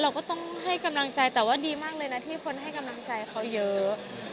เราก็ต้องให้กำลังใจแต่ว่าดีมากเลยนะที่คนให้กำลังใจเขาเยอะ